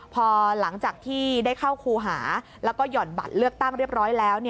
พอหลังจากที่ได้เข้าครูหาแล้วก็หย่อนบัตรเลือกตั้งเรียบร้อยแล้ว